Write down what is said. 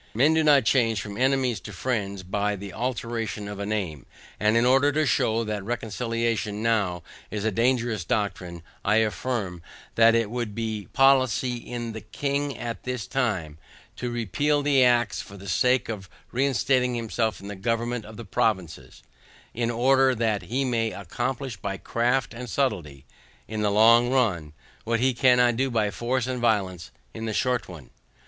Men do not change from enemies to friends by the alteration of a name: And in order to shew that reconciliation NOW is a dangerous doctrine, I affirm, THAT IT WOULD BE POLICY IN THE KING AT THIS TIME, TO REPEAL THE ACTS FOR THE SAKE OF REINSTATING HIMSELF IN THE GOVERNMENT OF THE PROVINCES; in order that HE MAY ACCOMPLISH BY CRAFT AND SUBTILITY, IN THE LONG RUN, WHAT HE CANNOT DO BY FORCE AND VIOLENCE IN THE SHORT ONE.